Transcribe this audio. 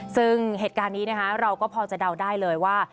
ซึ่งเหตุการณ์นี้นะคะเราก็พอจะเดาได้เลยว่า